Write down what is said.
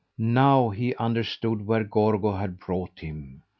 Now he understood where Gorgo had brought him.